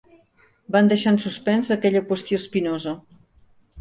Van deixar en suspens aquella qüestió espinosa.